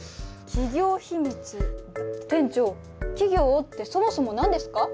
店長「企業」ってそもそも何ですか？